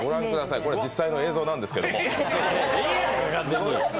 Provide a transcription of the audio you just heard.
これ実際の映像なんですけど。